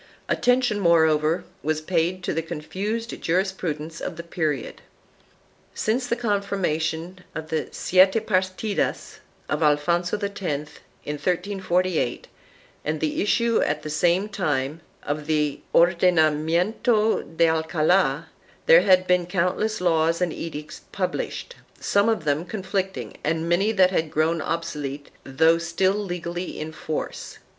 1 Attention, moreover, was paid to the confused jurisprudence of the period. Since the confirmation of the Siete Parlidas of Alfonso X, in 1348, and the issue at the same time of the Ordenamiento de Alcald, there had been countless laws and edicts published, some of them conflicting and many that had grown obsolete though still legally in force.